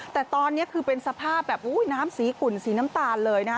แต่ตอนนี้คือเป็นสภาพแบบน้ำสีขุ่นสีน้ำตาลเลยนะฮะ